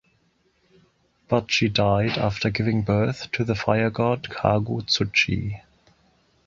But she died after giving birth to the fire-god Kagu-tsuchi.